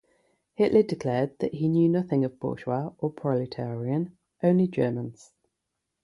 Hitler declared that he knew nothing of bourgeois or proletarian, only Germans.